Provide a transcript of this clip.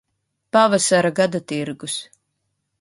Pavasara gadatirgus